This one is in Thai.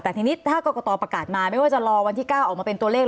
แต่ทีนี้ถ้ากรกตประกาศมาไม่ว่าจะรอวันที่๙ออกมาเป็นตัวเลข